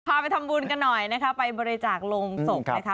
ไปทำบุญกันหน่อยนะคะไปบริจาคลงศพนะคะ